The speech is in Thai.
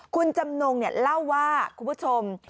คุณจำนงเล่าว่าคุณผู้ชม